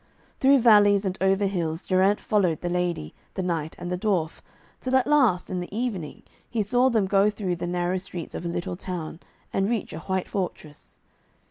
Through valleys and over hills Geraint followed the lady, the knight and the dwarf, till at last, in the evening, he saw them go through the narrow streets of a little town, and reach a white fortress.